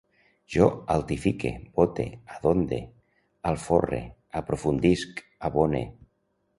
Jo altifique, bote, adonde, alforre, aprofundisc, abone